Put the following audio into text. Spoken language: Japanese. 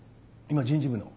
今人事部の。